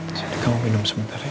disini kamu minum sebentar ya